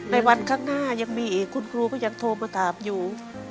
ในวันข้างหน้ายังมีอีกคุณครูก็ยังโทรมาถามอยู่